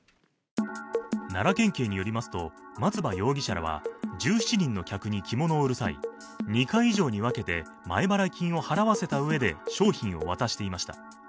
奈良県警によりますと、松葉容疑者らは１７人の客に着物を売る際、２回以上に分けて前払い金を払わせたうえで商品を渡していました。